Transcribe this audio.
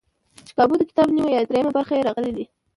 چې کابو دکتاب نیمه یا درېیمه برخه یې راغلي دي.